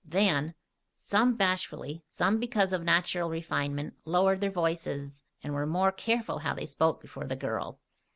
Than, some bashfully, some because of natural refinement, lowered their voices and were more careful how they spoke before the girl.